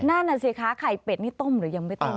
นั่นน่ะสิคะไข่เป็ดนี่ต้มหรือยังไม่ต้ม